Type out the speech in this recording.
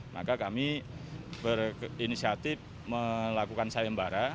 maka kami berinisiatif melakukan sayembara